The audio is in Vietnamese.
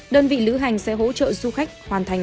đơn vị lữ hành sẽ hỗ trợ du khách hoàn thành